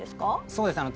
そうですね。